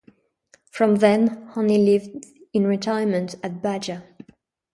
From then on he lived in retirement at Baja.